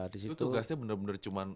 disitu itu tugasnya bener bener cuman